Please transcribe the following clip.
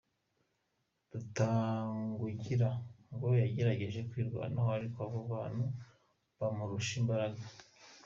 Rutagungira ngo yagerageje kwirwanaho ariko abo bantu bamurusha imbaraga.